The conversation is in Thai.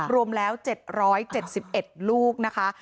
รวมแล้ว๗๗๑ลูกนะคะ